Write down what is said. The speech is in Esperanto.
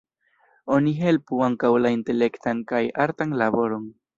Oni helpu ankaŭ la intelektan kaj artan laboron.